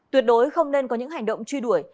tuyệt đối không nên có những hành động truy đuổi